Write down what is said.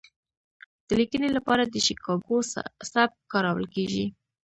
د لیکنې لپاره د شیکاګو سبک کارول کیږي.